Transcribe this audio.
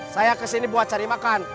saya kesini buat cari makan